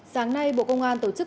sáng nay bộ công an tổ chức